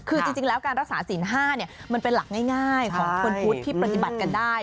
คือจริงแล้วการรักษาศีล๕มันเป็นหลักง่ายของคนพุทธที่ปฏิบัติกันได้